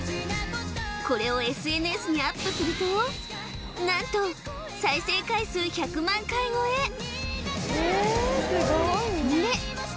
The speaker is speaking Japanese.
これをＳＮＳにアップすると何と再生回数１００万回超え！